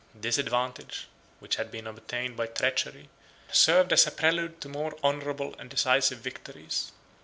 This advantage, which had been obtained by treachery, served as a prelude to more honorable and decisive victories.